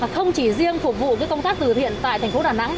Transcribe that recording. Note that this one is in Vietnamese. không chỉ riêng phục vụ công tác từ thiện tại thành phố đà nẵng